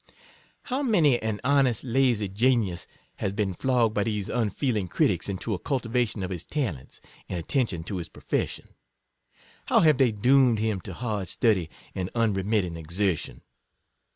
How many an honest, lazy genius, has been flogged by these unfeeling critics into a cultivation of his talents, and attention to his profession !— how have they doomed him to hard study and unremitting exertion!